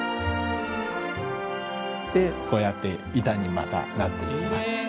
でこうやって板にまたなっていきます。